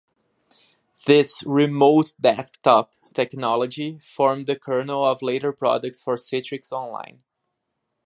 This "remote desktop" technology formed the kernel of later products for Citrix Online.